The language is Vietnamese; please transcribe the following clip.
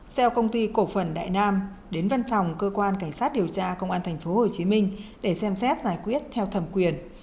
xe công ty cổ phần đại nam đến văn phòng cơ quan cảnh sát điều tra công an tp hcm để xem xét giải quyết theo thẩm quyền